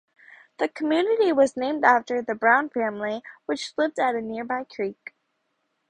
The community was named after the Brown family, which lived at a nearby creek.